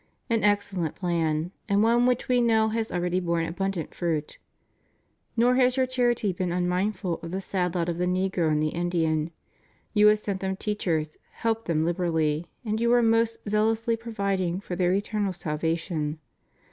An excellent plan, and one which We know has already borne abundant fruit. Nor has your charity been unmindful of the sad lot of the negro and the Indian — you have sent them teachers, helped them liberally, and you are most zealously providing for their eternal salva tion.